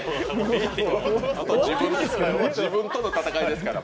あとは自分との戦いですから。